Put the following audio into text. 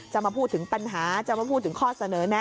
จะมาพูดถึงปัญหาจะมาพูดถึงข้อเสนอแนะ